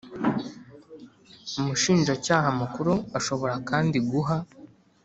Umushinjacyaha Mukuru ashobora kandi guha